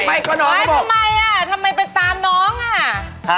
ไม่เลยไม่ล่ะทำไมอ่ะทำไมไปตามน้องน่ะ